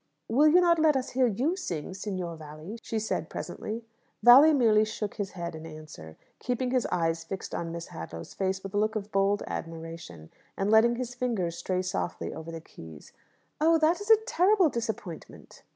"Will you not let us hear you sing, Signor Valli?" she said presently. Valli merely shook his head in answer, keeping his eyes fixed on Miss Hadlow's face with a look of bold admiration, and letting his fingers stray softly over the keys. "Oh, that is a terrible disappointment!"